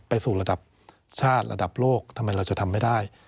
สู่ระดับชาติระดับโลกทำไมเราจะทำไม่ได้